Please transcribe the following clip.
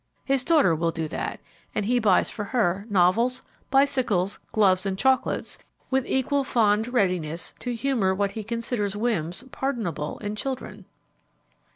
His daughter will do that and he buys for her novels, bicycles, gloves and chocolates with equal fond readiness to humor what he considers whims pardonable in children.